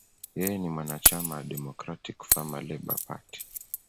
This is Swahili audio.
Yeye ni mwanachama wa Democratic–Farmer–Labor Party.